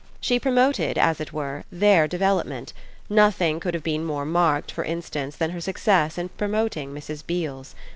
She promoted, as it were, their development; nothing could have been more marked for instance than her success in promoting Mrs. Beale's.